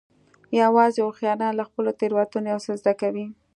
یوازې هوښیاران له خپلو تېروتنو یو څه زده کوي.